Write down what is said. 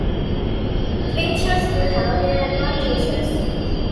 Clinchers do have their advantages.